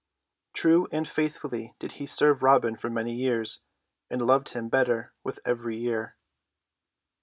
True and faithfully did he serve Robin for many years and loved him better with every year.